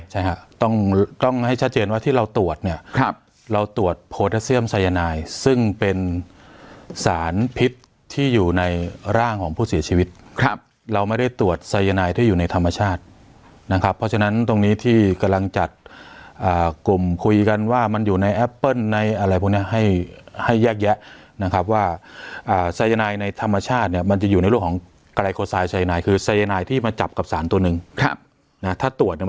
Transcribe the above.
ใช่ครับต้องต้องให้ชัดเจนว่าที่เราตรวจเนี่ยครับเราตรวจโพดาเซียมสายนายซึ่งเป็นสารพิษที่อยู่ในร่างของผู้เสียชีวิตครับเราไม่ได้ตรวจสายนายที่อยู่ในธรรมชาตินะครับเพราะฉะนั้นตรงนี้ที่กำลังจัดกลุ่มคุยกันว่ามันอยู่ในแอปเปิ้ลในอะไรพวกนี้ให้ให้แยกแยะนะครับว่าสายนายในธรรมชาติเนี่ยมันจะอยู่ในเรื่องของไกรโคไซนายคือสายนายที่มาจับกับสารตัวหนึ่งครับนะถ้าตรวจ